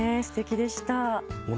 すてきでした。